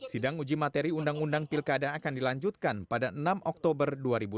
sidang uji materi undang undang pilkada akan dilanjutkan pada enam oktober dua ribu delapan belas